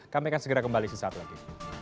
kami akan segera kembali sesaat lagi